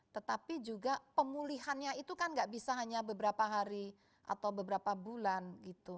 tetapi juga pemulihannya itu kan gak bisa hanya beberapa hari atau beberapa bulan gitu